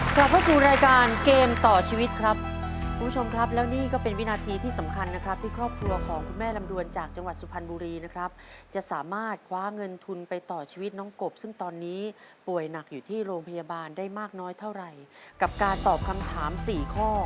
กลับเข้าสู่รายการเกมต่อชีวิตครับคุณผู้ชมครับแล้วนี่ก็เป็นวินาทีที่สำคัญนะครับที่ครอบครัวของคุณแม่ลำดวนจากจังหวัดสุพรรณบุรีนะครับจะสามารถคว้าเงินทุนไปต่อชีวิตน้องกบซึ่งตอนนี้ป่วยหนักอยู่ที่โรงพยาบาลได้มากน้อยเท่าไหร่กับการตอบคำถามสี่ข้อ